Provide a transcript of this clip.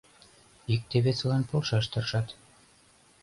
Икте-весылан полшаш тыршат.